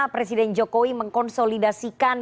presiden jokowi mengkonsolidasikan